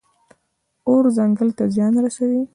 اور ځنګل ته زیان رسوي.